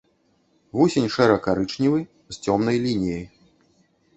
Вусень шэра-карычневы, з цёмнай лініяй.